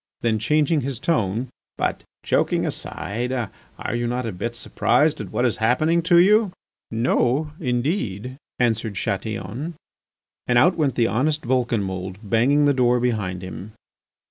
Then changing his tone: "But, joking aside, are you not a bit surprised at what is happening to you?" "No, indeed," answered Chatillon. And out went the honest Vulcanmould, banging the door behind him.